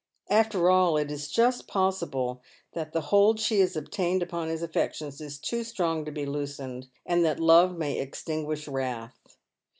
After all it is just possible that the hold she has obtained upon his affections is too strong to be loosened, and that love may extinguish wrath.